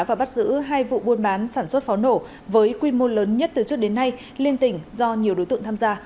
và bắt giữ hai vụ buôn bán sản xuất pháo nổ với quy mô lớn nhất từ trước đến nay liên tỉnh do nhiều đối tượng tham gia